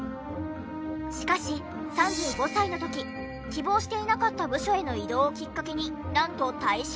しかし３５歳の時希望していなかった部署への異動をきっかけになんと退社。